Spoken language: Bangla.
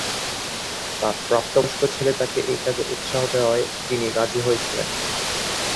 তাঁর প্রাপ্তবয়স্ক ছেলে তাঁকে এই কাজে উৎসাহ দেওয়ায় তিনি রাজি হয়েছিলেন।